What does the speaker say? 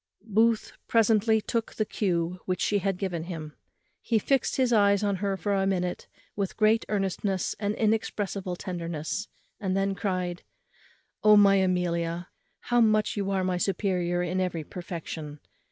Booth presently took the cue which she had given him. He fixed his eyes on her for a minute with great earnestness and inexpressible tenderness; and then cried, "O my Amelia, how much are you my superior in every perfection!